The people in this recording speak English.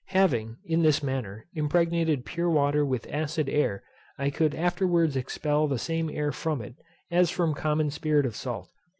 Having, in this manner, impregnated pure water with acid air, I could afterwards expel the same air from it, as from common spirit of salt.